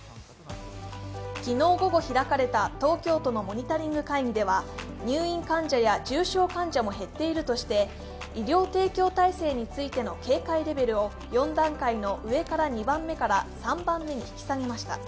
昨日午後開かれた東京都のモニタリング会議では入院患者や重症患者も減っているとして医療提供体制についての警戒レベルを４段階の上から２番目から３番目に引き下げました。